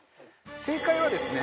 正解はですね